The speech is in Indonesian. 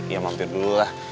ya mampir dulu lah